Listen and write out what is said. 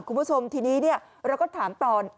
คุณผู้ชมทีนี้เราก็ถามตอน